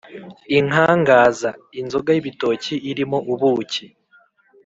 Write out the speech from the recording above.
inkangaza: inzoga y’ibitoki irimo ubuki